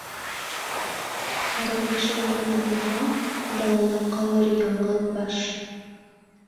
Ҡәрендәшең юҡ булһа, далала ҡалыр яңғыҙ баш.